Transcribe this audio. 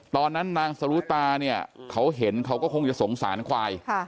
ตอนนั้นนางสรุตาเนี่ยเขาเห็นเขาก็คงจะสงสารควาย